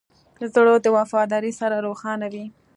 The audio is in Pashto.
زړه د وفادارۍ سره روښانه وي.